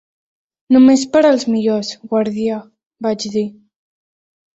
"Només per als millors, guardià", vaig dir.